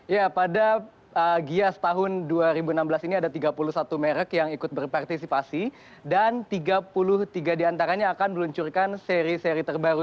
ya pada gias tahun dua ribu enam belas ini ada tiga puluh satu merek yang ikut berpartisipasi dan tiga puluh tiga diantaranya akan meluncurkan seri seri terbaru